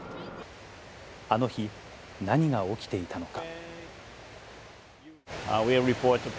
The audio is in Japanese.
あの日、何が起きていたのか。